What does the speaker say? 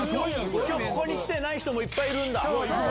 今日ここに来てない人もいっぱいいるんだ。